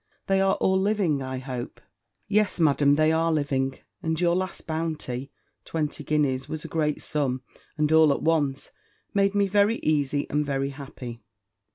They are all living, I hope?" "Yes, Madam, they are living: and your last bounty (twenty guineas was a great sum, and all at once!) made me very easy and very happy!"